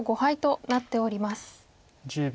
１０秒。